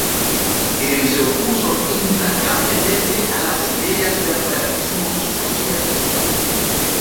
Él se opuso implacablemente a las ideas del Realismo Socialista.